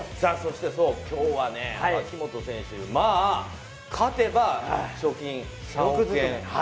今日は脇本選手、勝てば賞金３億円。